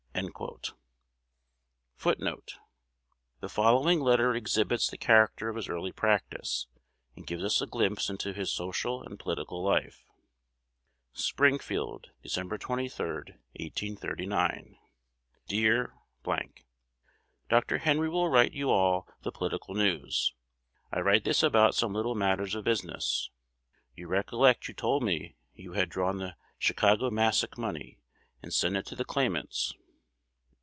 1 1 The following letter exhibits the character of his early practice, and gives us a glimpse into his social and political life; Springfield, Dec. 23,1839. Dear , Dr. Henry will write you all the political news. I write this about some little matters of business. You recollect you told me you had drawn the Chicago Masack money, and sent it to the claimants.